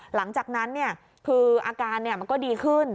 หลังจากนั้นคืออาการมันก็ดีขึ้น